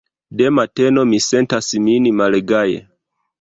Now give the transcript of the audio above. De mateno mi sentas min malgaje.